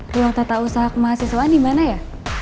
ruang tata usaha kemahasiswaan dimana ya